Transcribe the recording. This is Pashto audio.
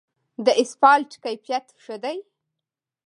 د اسفالټ کیفیت ښه دی؟